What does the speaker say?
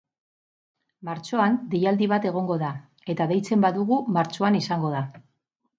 Martxoan deialdi bat egongo da, eta deitzen badugu martxoan izango da.